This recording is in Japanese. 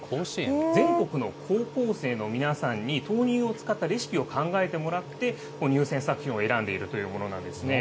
全国の高校生の皆さんに豆乳を使ったレシピを考えてもらって、入選作品を選んでいるというものなんですね。